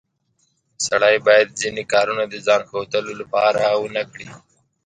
سړی باید ځینې کارونه د ځان ښودلو لپاره ونه کړي